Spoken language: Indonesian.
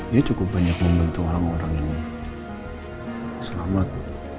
dia cukup banyak membantu orang orang yang selamat